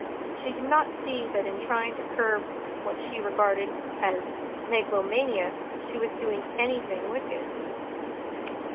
She could not see that in trying to curb what she regarded as megalomania she was doing anything wicked.